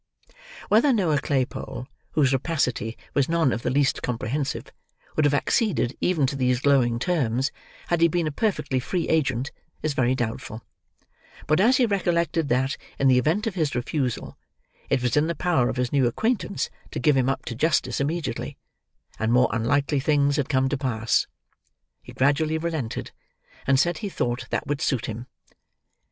Whether Noah Claypole, whose rapacity was none of the least comprehensive, would have acceded even to these glowing terms, had he been a perfectly free agent, is very doubtful; but as he recollected that, in the event of his refusal, it was in the power of his new acquaintance to give him up to justice immediately (and more unlikely things had come to pass), he gradually relented, and said he thought that would suit him.